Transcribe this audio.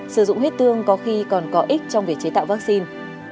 sử dụng huyết tương có khi còn có ích trong việc chế tạo vaccine